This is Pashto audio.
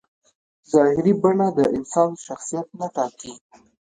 ظاهري بڼه د انسان شخصیت نه ټاکي.